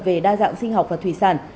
về đa dạng sinh học và thủy sản